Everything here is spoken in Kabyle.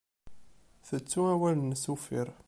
Tettu awal-nnes uffir.